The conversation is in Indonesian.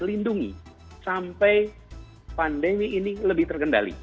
lindungi sampai pandemi ini lebih terkendali